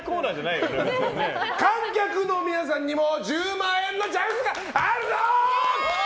観客の皆さんにも１０万円のチャンスがあるぞ！